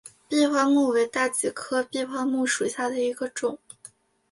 闭花木为大戟科闭花木属下的一个种。